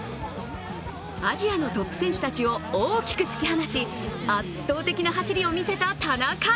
アジアのトップ選手たちを大きく突き放し圧倒的な走りを見せた田中。